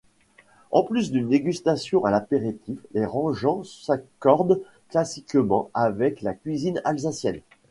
En plus d'une dégustation à l'apéritif, les rangens s'accordent classiquement avec la cuisine alsacienne.